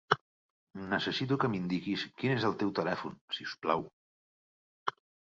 Necessito que m'indiquis quin és el teu telèfon, si us plau.